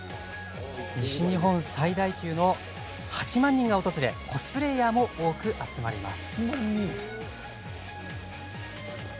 西日本最大級の８万人が訪れコスプレイヤーも多く集まります。